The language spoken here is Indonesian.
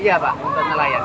iya pak untuk nelayan